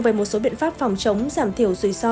về một số biện pháp phòng chống giảm thiểu rủi ro